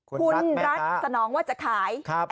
อ่าฮะคุณรัฐแม่คะคุณรัฐสนองว่าจะขายครับ